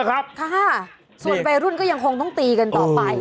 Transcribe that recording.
ครับค่ะส่วนวัยรุ่นก็ยังคงต้องตีกันต่อไป